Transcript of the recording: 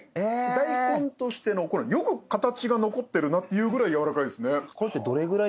大根としてよく形が残ってるなっていうぐらいやわらかいですね。